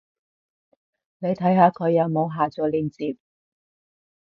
你睇下佢有冇下載連接